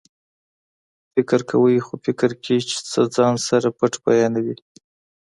فکر کوئ خو فکر کې چې څه ځان سره پټ بیانوي